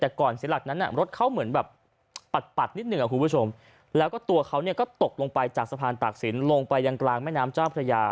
แต่ก่อนเสียหลักนั้นรถเขาเหมือนแบบปัดนิดหนึ่งคุณผู้ชมแล้วก็ตัวเขาก็ตกลงไปจากสะพานตากศิลปลงไปยังกลางแม่น้ำเจ้าพระยา